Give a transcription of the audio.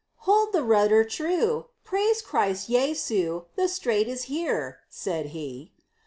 "Hold the rudder true! Praise Christ Jesu! the strait is here," said he.